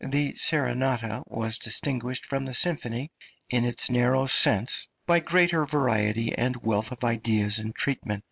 The serenata was distinguished from the symphony in its narrow sense by greater variety and wealth of ideas and treatment.